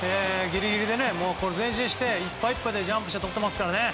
ギリギリで前進していっぱいいっぱいでジャンプしてとっていますからね。